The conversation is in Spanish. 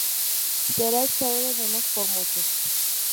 Será echado de menos por muchos".